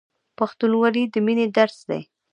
پښتونولي د مینې درس دی.